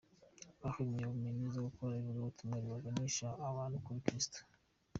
Bahawe impamyabumenyi zo gukora ivugabutumwa riganisha abantu kuri Kirisitu.